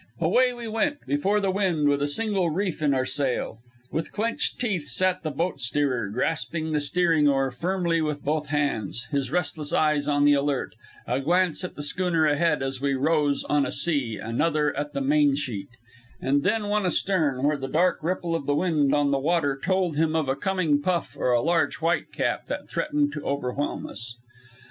Away we went before the wind with a single reef in our sail. With clenched teeth sat the boat steerer, grasping the steering oar firmly with both hands, his restless eyes on the alert a glance at the schooner ahead, as we rose on a sea, another at the mainsheet, and then one astern where the dark ripple of the wind on the water told him of a coming puff or a large white cap that threatened to overwhelm us.